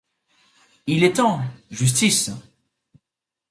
Il est temps, justice!